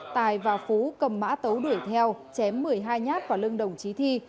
tài và phú cầm mã tấu đuổi theo chém một mươi hai nhát vào lưng đồng chí thi